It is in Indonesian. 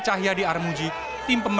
jangan lupa untuk berlangganan kiri kiri